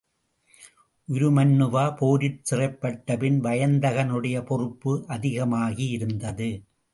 உருமண்ணுவா போரிற் சிறைப்பட்ட பின் வயந்தகனுடைய பொறுப்பு அதிகமாகி இருந்தது.